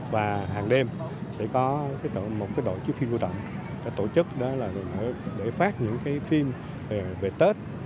và hàng đêm sẽ có một đội chức phiên của tổng tổ chức để phát những cái phim về tết